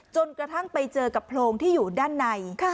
จนกระทั่งไปเจอกับโพรงที่อยู่ด้านใน